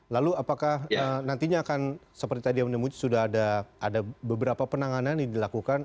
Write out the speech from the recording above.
lalu apakah nantinya akan seperti tadi yang menemui sudah ada beberapa penanganan yang dilakukan